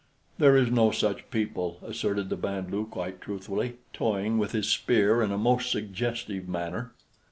"There is no such people," asserted the Band lu quite truthfully, toying with his spear in a most suggestive manner.